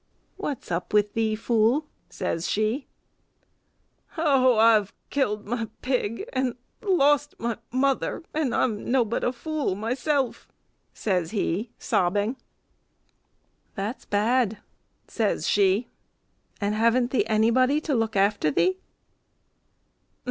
"What's up with thee, fool?" says she. "Oo, I've killed my pig, and lost my mother and I'm nobbut a fool myself," says he, sobbing. "That's bad," says she; "and haven't thee anybody to look after thee?"